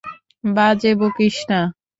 বাজে বকিস না!